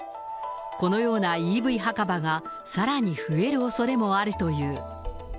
このようなＥＶ墓場がさらに増えるおそれもあるという。